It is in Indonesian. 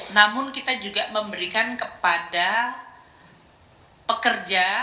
namun kita juga memberikan kepada pekerja